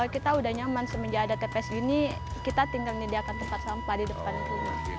kita udah nyaman semenjak ada ketes gini kita tinggal menyediakan tempat sampah di depan rumah